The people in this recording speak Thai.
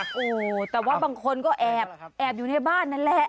อู้ตัวบางคนก็แอบอยู่ในบ้านนั้นและ